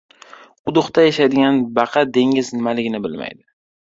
• Quduqda yashaydigan baqa dengiz nimaligini bilmaydi.